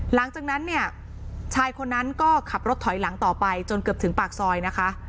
หลังจากนั้นเนี่ยชายคนนั้นก็ขับรถถอยหลังต่อไปจนเกือบถึงปากซอยนะคะ